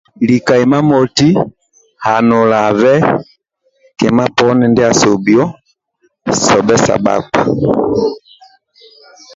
Lika imamoti hanulabe kima poni ndia asibhio sobhe sa bhakpa